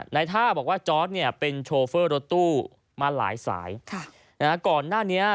นายท่าบอกว่าจอร์สเป็นโชเฟอร์รถตู้มาหลายสาย